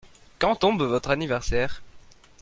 Quand tombe votre anniversaire ?